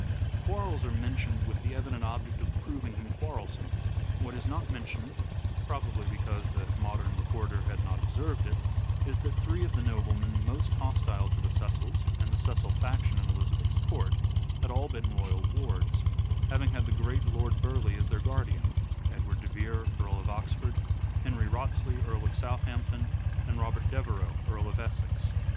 The quarrels are mentioned with the evident object of proving him quarrelsome. What is not mentioned, probably because the modern recorder had not observed it, is that three of the noblemen most hostile to the Cecils and the Cecil faction in Elizabeth's court, had all been royal wards, having had the great Lord Burleigh as their guardian — Edward de Vere, Earl of Oxford ; Henry Wriothes ley, Earl of Southampton ; and Robert Devereux, Earl of Essex.